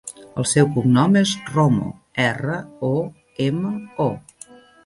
El seu cognom és Romo: erra, o, ema, o.